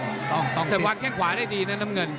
เข้าต่อก้างดูต้องเท้หาวันเพี้ยงขวายได้ดีนะน้ำเงินน่ะ